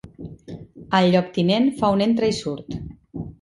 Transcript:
El lloctinent fa un entra-i-surt.